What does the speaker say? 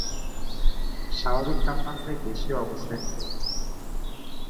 স্বাভাবিক তাপমাত্রায় গ্যাসীয় অবস্থায় থাকে।